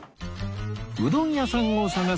うどん屋さんを探す